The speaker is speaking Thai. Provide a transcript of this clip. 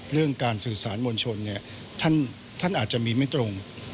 เรื่องการสื่อสารมวลชนท่านอาจจะมีไม่ตรง